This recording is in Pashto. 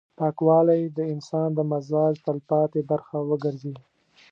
پاکوالی د انسان د مزاج تلپاتې برخه وګرځي.